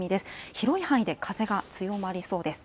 広い範囲で風が強まりそうです。